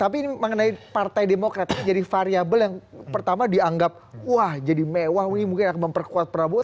tapi ini mengenai partai demokrat ini jadi variable yang pertama dianggap wah jadi mewah ini mungkin akan memperkuat prabowo